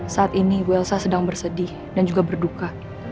saat ini bu elsa sedang bersedih dan juga berduka